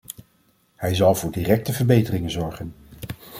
Hij zal voor directe verbeteringen zorgen.